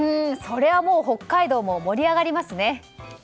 それは北海道も盛り上がりますね。